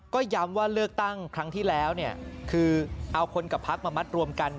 ก็ย้ำว่าเลือกตั้งครั้งที่แล้วคือเอาคนกับพักมามัดรวมกัน